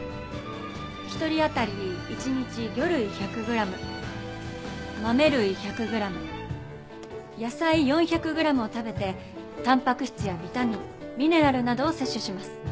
一人当たり一日魚類１００グラム豆類１００グラム野菜４００グラムを食べてたんぱく質やビタミンミネラルなどを摂取します。